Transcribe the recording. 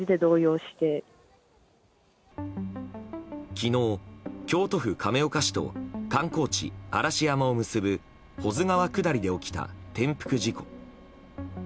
昨日、京都府亀岡市と観光地・嵐山を結ぶ保津川下りで起きた転覆事故。